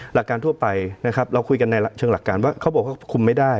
หลักการทั่วไปนะครับเราคุยกันในเชิงหลักการว่าเขาบอกว่าคุมไม่ได้